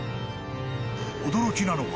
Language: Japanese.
［驚きなのは］